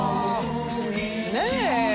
ねえ。